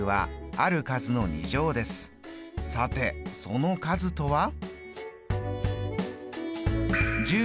さてその数とは？